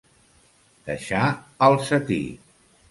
Deixar al seti.